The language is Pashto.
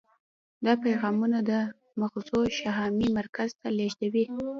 دا پیغامونه د مغزو شامعي مرکز ته لیږدوي.